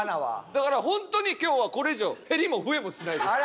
だからホントに今日はこれ以上減りも増えもしないです。